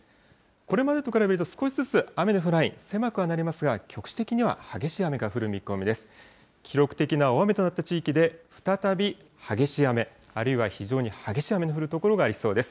これまでと比べると、少しずつ雨の降る範囲、狭くはなりますが、局地的には激しい雨が降る見込みです。